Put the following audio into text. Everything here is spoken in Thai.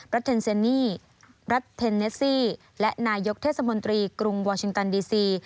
เทนเซนนี่รัฐเทนเนสซี่และนายกเทศมนตรีกรุงวอร์ชิงตันดีซี